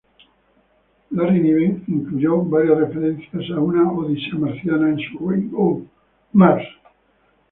Larry Niven incluyó varias referencias a "Una odisea marciana" en su "Rainbow Mars".